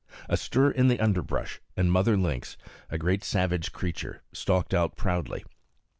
A stir in the underbrush, and Mother Lynx, a great savage creature, stalked out proudly.